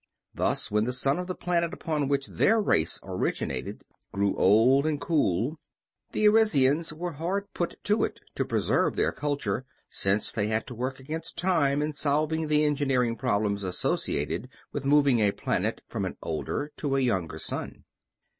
Thus, when the sun of the planet upon which their race originated grew old and cool, the Arisians were hard put to it to preserve their culture, since they had to work against time in solving the engineering problems associated with moving a planet from an older to a younger sun.